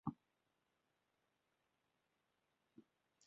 Mae nifer o ffactorau'n achosi'r cyflyrau hyn.